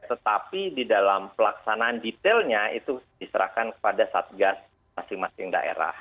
tetapi di dalam pelaksanaan detailnya itu diserahkan kepada satgas masing masing daerah